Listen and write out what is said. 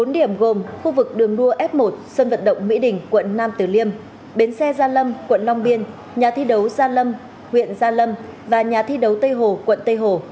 bốn điểm gồm khu vực đường đua f một sân vận động mỹ đình quận nam tử liêm bến xe gia lâm quận long biên nhà thi đấu gia lâm huyện gia lâm và nhà thi đấu tây hồ quận tây hồ